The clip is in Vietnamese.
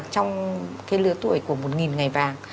trong cái lứa tuổi của một ngày vàng